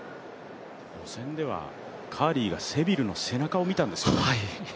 予選ではカーリーがセビルの背中を見たんですよ。